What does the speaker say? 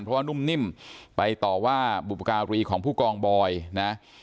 เพราะว่านุ่มนิ่มไปต่อว่าบุปการีของผู้กองบอยนะ